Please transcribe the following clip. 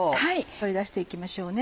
取り出していきましょうね。